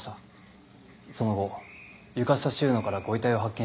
その後床下収納からご遺体を発見した次第です。